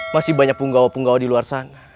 masih banyak penggawa punggawa di luar sana